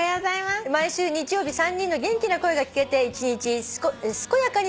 「毎週日曜日３人の元気な声が聞けて１日健やかに過ごしております」